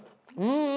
うん！